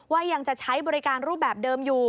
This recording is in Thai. ยังจะใช้บริการรูปแบบเดิมอยู่